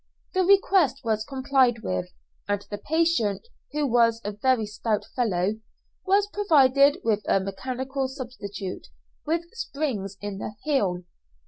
The request was complied with, and the patient, who was a very stout fellow, was provided with a mechanical substitute, with springs in the heel.